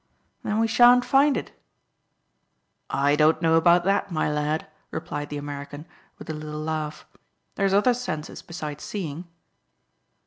"Then we shan't find it." "I don't know about that, my lad," replied the American, with a little laugh. "There's other senses besides seeing."